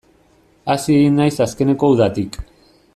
Hazi egin naiz azkeneko udatik.